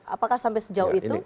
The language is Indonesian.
apakah sampai sejauh itu